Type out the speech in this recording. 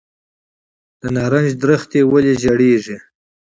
د نارنج ونې ولې ژیړیږي؟